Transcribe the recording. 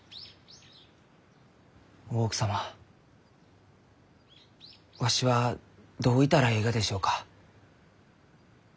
大奥様わしはどういたらえいがでしょうか？